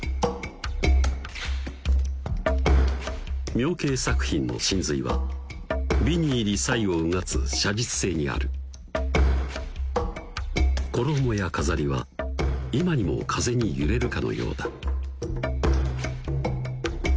明慶作品の神髄は微に入り細を穿つ写実性にある衣や飾りは今にも風に揺れるかのようだ